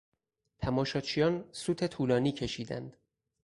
تماشاچیان سوت طولانی کشیدند.